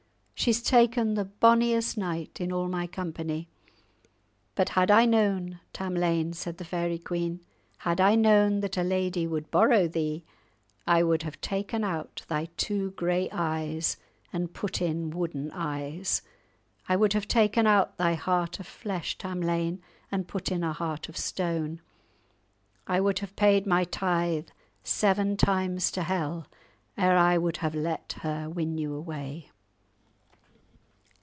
She's taken the bonniest knight in all my company! But had I known, Tamlane," said the fairy queen, "had I known that a lady would borrow thee, I would have taken out thy two grey eyes, and put in wooden eyes. I would have taken out thy heart of flesh, Tamlane, and put in a heart of stone. I would have paid my tithe seven times to hell ere I would have let her win you away."